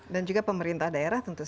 dan juga pemerintah daerah